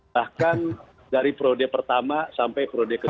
bahkan dari prode pertama sampai prode kedua